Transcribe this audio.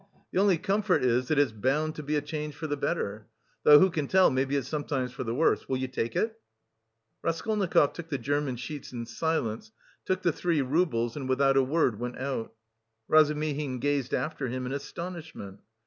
The only comfort is, that it's bound to be a change for the better. Though who can tell, maybe it's sometimes for the worse. Will you take it?" Raskolnikov took the German sheets in silence, took the three roubles and without a word went out. Razumihin gazed after him in astonishment.